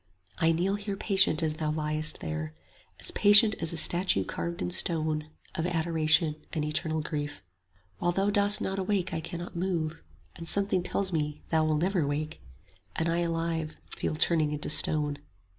I kneel here patient as thou liest there; As patient as a statue carved in stone, Of adoration and eternal grief. While thou dost not awake I cannot move; 55 And something tells me thou wilt never wake, And I alive feel turning into stone.